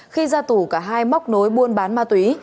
khi ra tù cả hai móc nối buôn bán ma túy